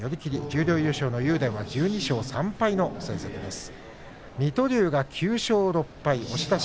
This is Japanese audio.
十両優勝の竜電は１２勝３敗の成績です。